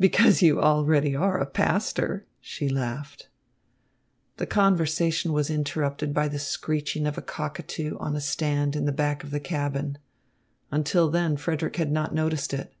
"Because you are already a pastor," she laughed. The conversation was interrupted by the screeching of a cockatoo on a stand in the back of the cabin. Until then Frederick had not noticed it.